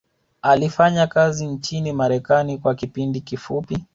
alifanya kazi nchini marekani kwa kipindi kifupi